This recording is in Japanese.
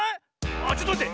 あちょっとまって！